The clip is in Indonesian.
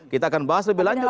kita akan bahas lebih lanjut